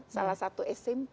salah satu smp